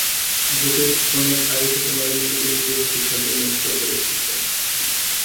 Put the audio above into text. ভোটের অনেক আগে থেকেই নরেন্দ্র মোদির নিজের হাতে সাজিয়ে নেন প্রচারের ছকটা।